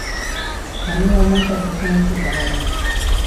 Tamén aumenta a presión hospitalaria.